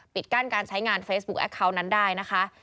กั้นการใช้งานเฟซบุ๊คแอคเคาน์นั้นได้นะคะ